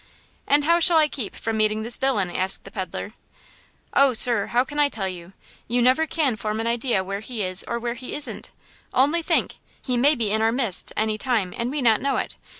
"And how shall I keep from meeting this villain?" asked the peddler. "Oh, sir, how can I tell you? You never can form an idea where he is or where he isn't! Only think, he may be in our midst any time, and we not know it!